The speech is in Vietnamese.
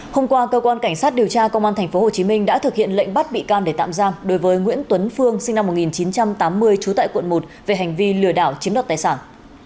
hôm qua cơ quan cảnh sát điều tra công an tp hcm đã thực hiện lệnh bắt bị can để tạm giam đối với nguyễn tuấn phương sinh năm một nghìn chín trăm tám mươi trú tại quận một về hành vi lừa đảo chiếm đoạt tài sản